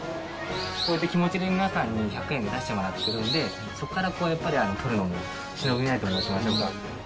こうやって気持ちで皆さんに１００円で出してもらってるんで、そこからやっぱり取るのも忍びないと申しましょうか。